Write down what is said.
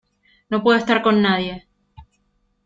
no puedo estar con nadie.